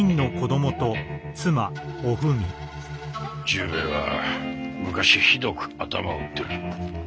十兵衛は昔ひどく頭を打ってる。